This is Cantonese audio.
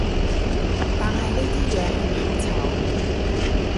但係呢啲嘢，好怕醜